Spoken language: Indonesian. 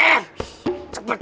cepet lakukan cepetttt